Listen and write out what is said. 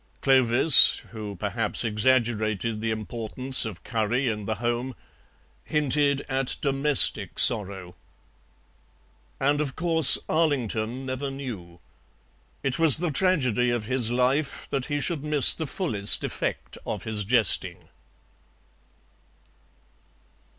Clovis, who perhaps exaggerated the importance of curry in the home, hinted at domestic sorrow. And of course Arlington never knew. It was the tragedy of his life that he should miss the fullest effect of his jesting.